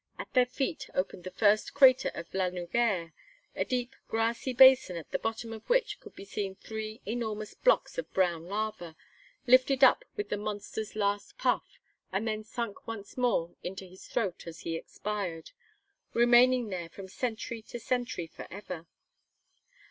At their feet opened the first crater of La Nugère, a deep grassy basin at the bottom of which could be seen three enormous blocks of brown lava, lifted up with the monster's last puff and then sunk once more into his throat as he expired, remaining there from century to century forever.